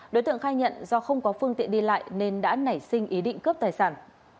đối tượng khai nhận do không có phương tiện đi lại nên đã nảy sinh ý định cướp tài sản